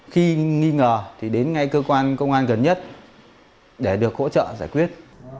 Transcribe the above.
khi nghi ngờ thì đến ngay cơ quan công an gần nhất để được hỗ trợ giải quyết